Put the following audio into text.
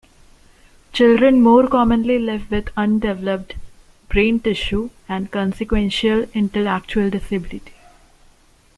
Children more commonly live with undeveloped brain tissue and consequential intellectual disability.